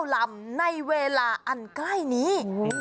ลำในเวลาอันใกล้นี้